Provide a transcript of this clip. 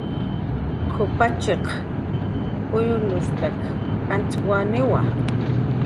"K""uw pachiq uyustak antz waniwa"